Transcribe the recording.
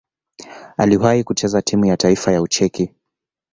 Aliwahi kucheza timu ya taifa ya Ucheki.